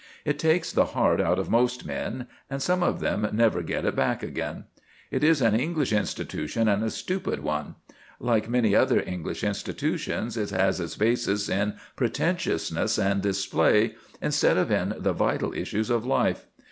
It takes the heart out of most men, and some of them never get it back again. It is an English institution and a stupid one. Like many another English institution, it has its basis in pretentiousness and display, instead of in the vital issues of life.